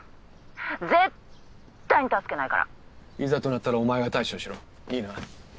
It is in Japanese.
絶対に助けないからいざとなったらお前が対処しろいいな